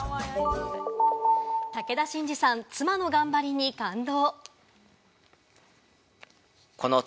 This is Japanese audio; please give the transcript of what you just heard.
武田真治さん、妻の頑張りに感動。